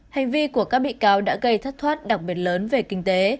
hành vi của các bị cáo đã gây thất thoát đặc biệt lớn về kinh tế